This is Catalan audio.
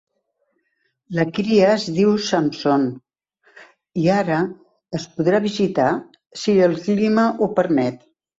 La cria es diu "Samson" i ara es podrà visitar, si el clima ho permet.